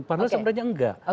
padahal sebenarnya enggak